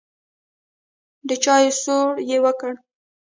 د چايو سور يې وکړ.